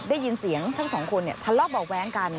ได้ยินเสียงทั้งสองคนทะเลาะเบาะแว้งกัน